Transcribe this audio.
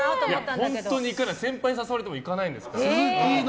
本当に彼は先輩に誘われても行かないんです。